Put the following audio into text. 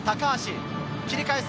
切り返す。